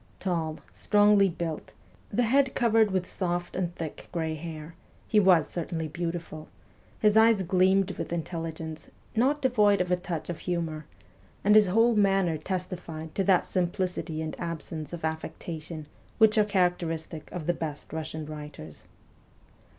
Tall, strongly built, the head covered with soft and thick grey hair, he was certainly beautiful ; his eyes gleamed with intelligence, not devoid of a touch of humour, and his whole manner testified to that simplicity and absence of affectation which are characteristic of the best Russian writers.